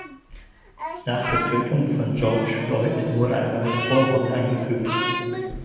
Nach der Tötung von George Floyd wurde ein neues Vorwort eingefügt.